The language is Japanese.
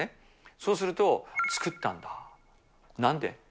そうすると、作ったんだ、なんで？